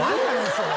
それ！